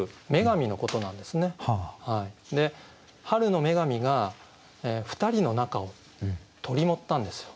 春の女神が２人の仲を取り持ったんですよ。